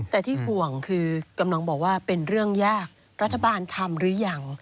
แต่ที่ห่วงคือกำลังบอกว่าเป็นเรื่องยากรัฐบาลทำหรือยัง